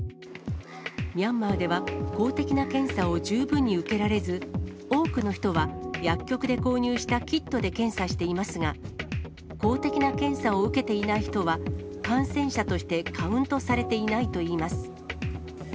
ミャンマーでは、公的な検査を十分に受けられず、多くの人は薬局で購入したキットで検査していますが、公的な検査を受けていない人は、感染者としてカウントされていないといいます。